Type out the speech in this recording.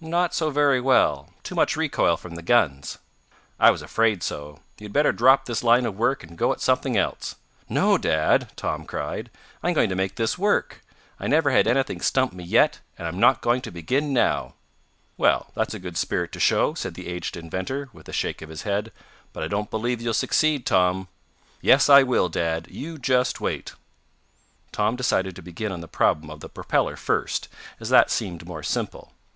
"Not so very well. Too much recoil from the guns." "I was afraid so. You had better drop this line of work, and go at something else." "No, Dad!" Tom cried. "I'm going to make this work. I never had anything stump me yet, and I'm not going to begin now!" "Well, that's a good spirit to show," said the aged inventor, with a shake of his head, "but I don't believe you'll succeed, Tom." "Yes I will, Dad! You just wait." Tom decided to begin on the problem of the propeller first, as that seemed more simple.